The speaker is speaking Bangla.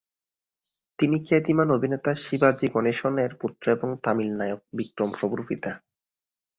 তিনি খ্যাতিমান অভিনেতা শিবাজি গণেশন-এর পুত্র, এবং তামিল নায়ক বিক্রম প্রভুর পিতা।